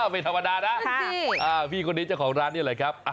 ไม่ธรรมดานะพี่คนนี้เจ้าของร้านนี่แหละครับ